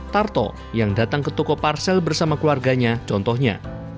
tarto yang datang ke toko parsel bersama keluarganya contohnya